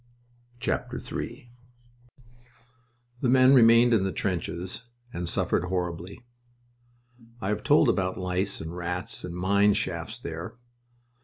III The men remained in the trenches, and suffered horribly. I have told about lice and rats and mine shafts there.